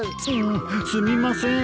すみません。